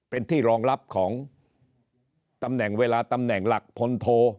เป็นที่รองรับของตำแหน่งเวลาตำแหน่งหลักพลโท